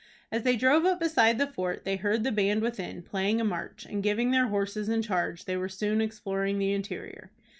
As they drove up beside the fort, they heard the band within, playing a march, and, giving their horses in charge, they were soon exploring the interior.